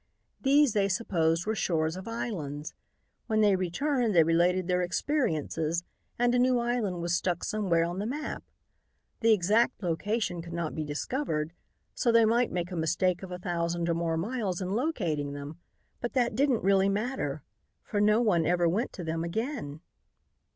These they supposed were shores of islands. When they returned they related their experiences and a new island was stuck somewhere on the map. The exact location could not be discovered, so they might make a mistake of a thousand or more miles in locating them, but that didn't really matter, for no one ever went to them again."